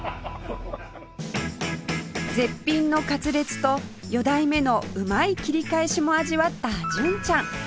絶品のカツレツと４代目のうまい切り返しも味わった純ちゃん